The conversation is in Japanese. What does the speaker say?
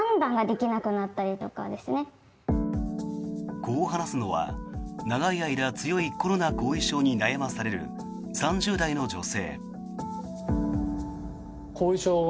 こう話すのは、長い間強いコロナ後遺症に悩まされる３０代の女性。